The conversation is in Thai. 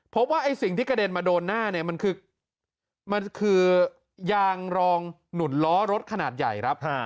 ว่าไอ้สิ่งที่กระเด็นมาโดนหน้าเนี่ยมันคือมันคือยางรองหนุนล้อรถขนาดใหญ่ครับ